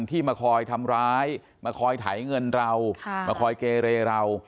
ที่มาคอยทำร้ายมาคอยไถเงินเรามาคอยเกเรเรา